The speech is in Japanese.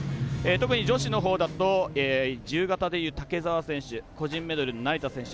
特に女子のほうだと自由形でいう竹澤選手個人メドレーの成田選手